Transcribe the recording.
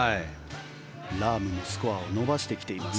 ラームもスコアを伸ばしてきています。